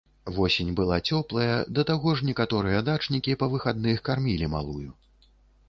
Восень была цёплая, да таго ж некаторыя дачнікі па выхадных кармілі малую.